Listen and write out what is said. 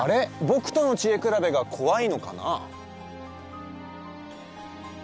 僕との知恵比べが怖いのかな